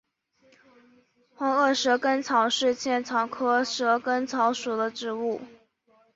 黄褐蛇根草是茜草科蛇根草属的植物。